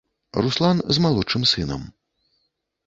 Руслан з малодшым сынам.